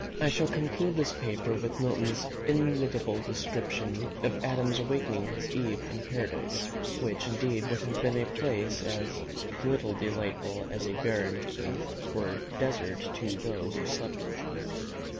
I shall conclude this paper with Milton's inimitable description of Adam's awakening his Eve in Paradise, which indeed would have been a place as little delightful as a barren heath or desert to those who slept in it.